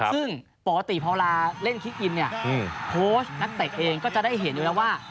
ซึ่งปกติพอเวลาเล่นคิกอินเนี่ยโค้ชนักเตะเองก็จะได้เห็นอยู่แล้วว่า